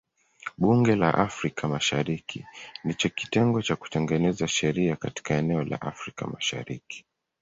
Bunge la Afrika Mashariki ndicho kitengo cha kutengeneza sheria katika eneo la Afrika Mashariki.